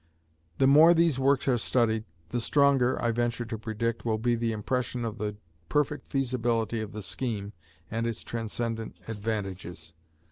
The more these works are studied, the stronger, I venture to predict, will be the impression of the perfect feasibility of the scheme and its transcendant advantages.